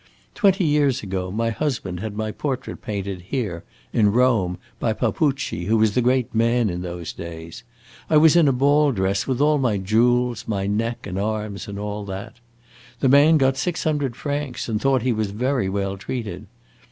Twenty years ago my husband had my portrait painted, here in Rome, by Papucci, who was the great man in those days. I was in a ball dress, with all my jewels, my neck and arms, and all that. The man got six hundred francs, and thought he was very well treated.